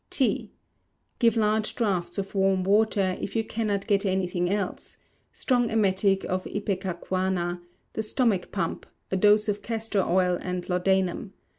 T. Give large draughts of warm water, if you cannot get anything else; strong emetic of ipecacuanha, the stomach pump, a dose of castor oil and laudanum.